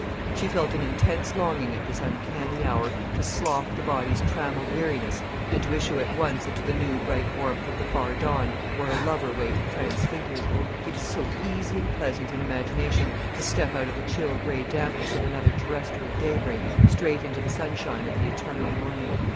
She felt an intense longing at this uncanny hour to slough the body's trammelled weariness and to issue at once into the new bright warmth of the far Dawn where a lover waited transfigured; it is so easy and pleasant in imagination to step out of the chill grey dampness of another terrestrial daybreak, straight into the sunshine of the eternal morning!